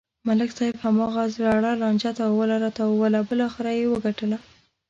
ملک صاحب هماغه زړه لانجه تاووله راتاووله بلاخره و یې گټله.